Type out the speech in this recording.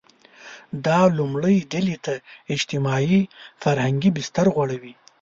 دا لومړۍ ډلې ته اجتماعي – فرهنګي بستر غوړوي.